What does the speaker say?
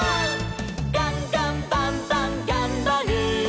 「ガンガンバンバンがんばる！」